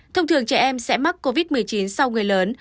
thông thường trẻ em sẽ mắc covid một mươi chín sau người lớn